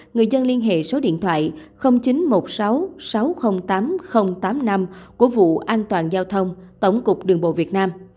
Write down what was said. người dân liên hệ số điện thoại chín trăm một mươi sáu sáu trăm linh tám nghìn tám mươi năm của vụ an toàn giao thông tổng cục đường bộ việt nam